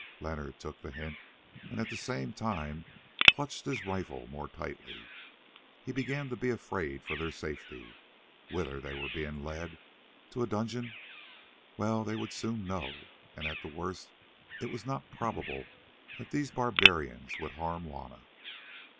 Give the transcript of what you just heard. Leonard took the hint, and at the same time clutched his rifle more tightly. He began to be afraid for their safety. Whither were they being led—to a dungeon? Well, they would soon know, and at the worst it was not probable that these barbarians would harm Juanna.